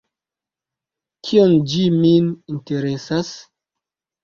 Kion ĝi min interesas?